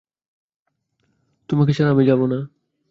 তোমাকে ছাড়া আমি যাব না।